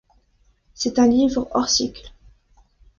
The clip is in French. C'est un livre hors cycle.